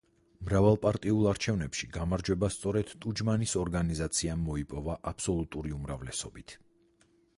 მრავალპარტიულ არჩევნებში გამარჯვება სწორედ ტუჯმანის ორგანიზაციამ მოიპოვა აბსოლუტური უმრავლესობით.